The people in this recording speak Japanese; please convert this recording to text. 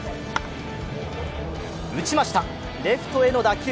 打ちました、レフトへの打球